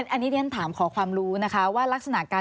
อันนี้สนิทนี่ขอความรู้นะคะ